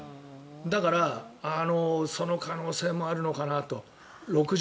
だからその可能性もあるのかなと。